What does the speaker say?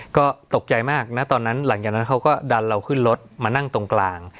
ก็ตกใจมากนะตอนนั้นหลังจากนั้นเขาก็ดันเราขึ้นรถมานั่งตรงกลาง